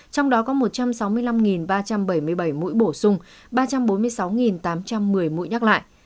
trong đó có một trăm sáu mươi năm ba trăm bảy mươi bảy mũi bổ sung ba trăm bốn mươi sáu tám trăm một mươi mũi nhắc lại